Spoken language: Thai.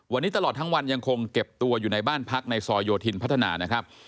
วันนี้ตลอดทั้งวันยังคงเก็บตัวอยู่ในบ้านพักในซอยโยธินพัฒนานะครับ